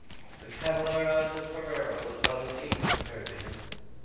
The cavallerize of Ferrara was but as an ape compared to him.